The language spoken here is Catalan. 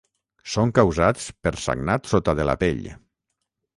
Són causats per sagnat sota de la pell.